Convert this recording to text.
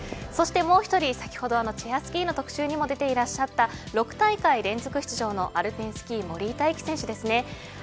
そしてもう１人、先ほどのチェアスキーの特集にも出ていらっしゃった６大会連続出場のアルペンスキー森井大輝選手ですね。